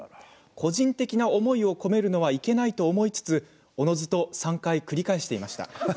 個人的な思いを込めるのはいけないと思いつつおのずと３回繰り返していました。